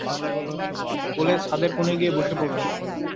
বলে ছাদের কোণে গিয়ে বসে পড়ল।